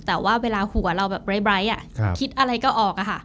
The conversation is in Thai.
แต่ว่าเวลาหัวเราแบบไร้คิดอะไรก็ออกอะค่ะ